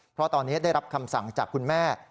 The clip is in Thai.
เพราะตอนนี้ได้รับคำสั่งจากคุณแม่